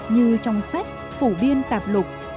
như trong sách phủ biên tạp lục